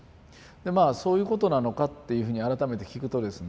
まあそういうことなのか？っていうふうに改めて聞くとですね